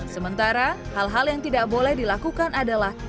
sementara hal hal yang tidak boleh dilakukan adalah